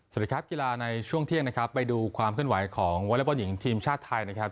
สวัสดีครับกีฬาในช่วงเที่ยงนะครับไปดูความเคลื่อนไหวของวอเล็กบอลหญิงทีมชาติไทยนะครับ